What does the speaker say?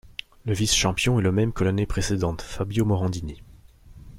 Le vice-champion est le même que l'année précédente, Fabio Morandini.